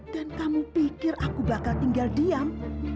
dan kamu pikir aku bakal tinggal diam